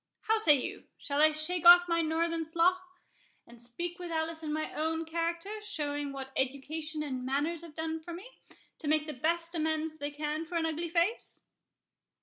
How say you?—shall I shake off my northern slough, and speak with Alice in my own character, showing what education and manners have done for me, to make the best amends they can for an ugly face?"